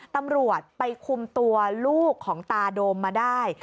ตำรวจไปคุมตัวลูกของตาโดมมาได้